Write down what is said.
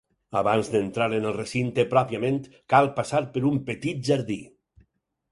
Abans d'entrar en el recinte pròpiament, cal passar per un petit jardí.